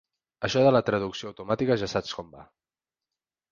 Això de la traducció automàtica ja saps com va...